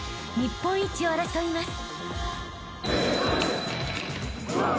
［日本一を争います］